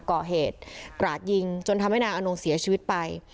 ก่อเหตุกราดยิงจนทำให้นางอนงเสียชีวิตไป